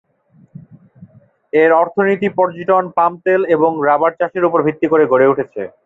এর অর্থনীতি পর্যটন, পাম তেল এবং রাবার চাষের উপর ভিত্তি গড়ে উঠেছে।